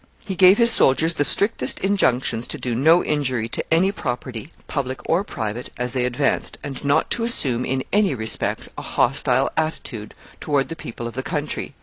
He gave his soldiers the strictest injunctions to do no injury to any property, public or private, as they advanced, and not to assume, in any respect, a hostile attitude toward the people of the country.